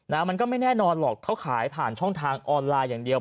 มันก็ไม่แน่นอนหรอกเขาขายผ่านช่องทางออนไลน์อย่างเดียว